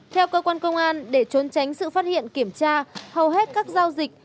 theo cơ quan công an để trốn tránh sự phát hiện kiểm tra hầu hết các giao dịch